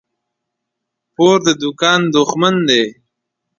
پور د دوکان دښمن دى.